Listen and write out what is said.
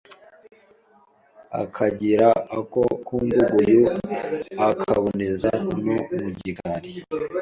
akagira ako kumbuguyu akaboneza no mu gikari